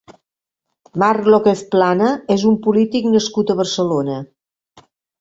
Marc López Plana és un polític nascut a Barcelona.